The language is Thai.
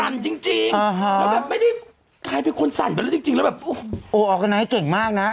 แบบไม่ได้ใครเป็นคนสั่นใบนี้จริงแล้วแบบโอโอกรันไทยเก่งมากนะ